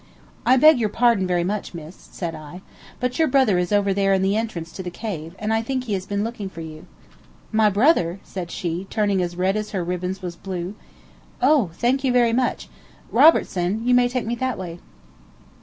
"I beg your pardon very much, miss," said I, "but your brother is over there in the entrance to the cave, and I think he has been looking for you." "My brother?" said she, turning as red as her ribbons was blue. "Oh, thank you very much! Robertson, you may take me that way."